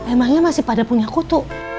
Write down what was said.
emangnya masih pada punya kutu